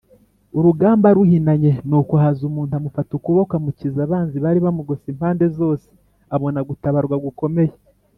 Urugamba ruhinanye nuko haza umuntu amufata ukuboko amukiza abanzi bari bamugose impande zose abona gutabarwa gukomeye.